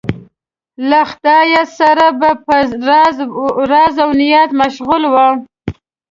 له خدایه سره به په راز و نیاز مشغول و.